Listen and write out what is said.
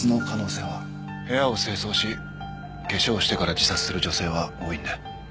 部屋を清掃し化粧してから自殺する女性は多いんで。